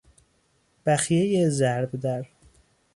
بخیهی ضربدر